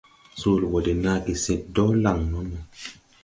Soole ɓɔ de naage sid dɔɔ laŋ nono.